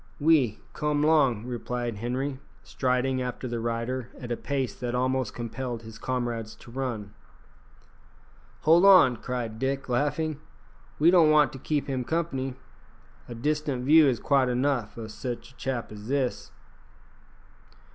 "Oui. Come 'long," replied Henri, striding after the rider at a pace that almost compelled his comrades to run. "Hold on!" cried Dick, laughing; "we don't want to keep him company. A distant view is quite enough o' sich a chap as that."